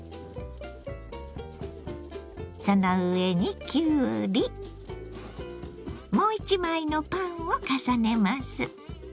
その上にきゅうりもう１枚のパンを重ねます。